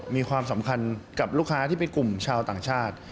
มีความสำคัญกับลูกค้าที่เป็นกลุ่มชาวต่างชาติ